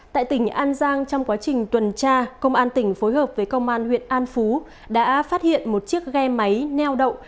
tại tỉnh an giang trong quá trình tuần tra công an tỉnh phối hợp với công an huyện an phú đã phát hiện một chiếc ghe máy neo đậu